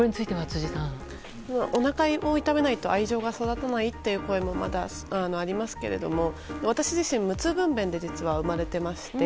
おなかを痛めないと愛情が育たないという声もまだありますけれども私自身、無痛分娩で実は生まれていまして。